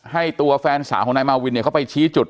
ให้ตัวแฟนสาวของนายมาวินเนี่ยเขาไปชี้จุด